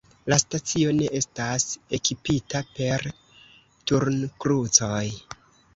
La stacio ne estas ekipita per turnkrucoj.